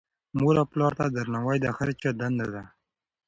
مور او پلار ته درناوی د هر چا دنده ده.